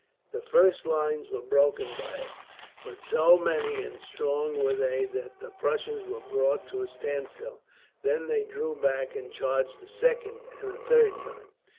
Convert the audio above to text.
The first lines were broken by it, but so many and strong were they that the Prussians were brought to a standstill. Then they drew back and charged a second, and a third time.